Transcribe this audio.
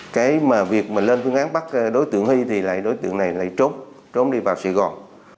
cái mà việc mình lên phương án bắt đối tượng huy thì lại đối tượng này lại trốn đi vào sài gòn